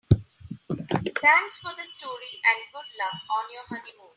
Thanks for the story and good luck on your honeymoon.